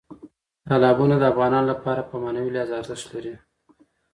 تالابونه د افغانانو لپاره په معنوي لحاظ ارزښت لري.